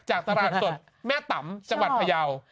จากตลาดสดแม่ตำจังหวัดพยาว